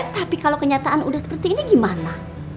tapi kalau kenyataan udah seperti ini gimana